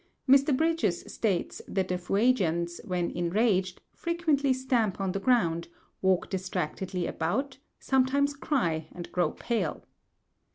Mr. Bridges states that the Fuegians, when enraged, frequently stamp on the ground, walk distractedly about, sometimes cry and grow pale.